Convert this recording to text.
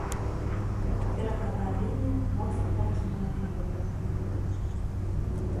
Берагавая лінія моцна парэзаная фіёрдамі.